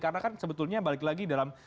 karena kan sebetulnya balik lagi dalam